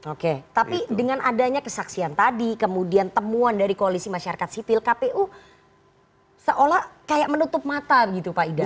oke tapi dengan adanya kesaksian tadi kemudian temuan dari koalisi masyarakat sipil kpu seolah kayak menutup mata gitu pak idam